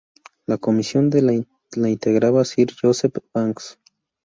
La comisión la integraban Sir Joseph Banks, Mr.